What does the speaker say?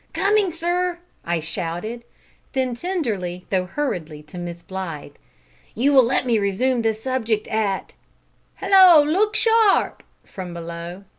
"Coming, sir!" I shouted; then tenderly, though hurriedly, to Miss Blythe, "You will let me resume this subject at " "Hallo! look sharp!" from below.